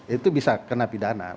itu bisa kena pidana